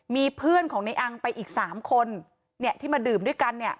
มีเพื่อนของนายอังไปอีก๓คนที่มาดื่มด้วยกัน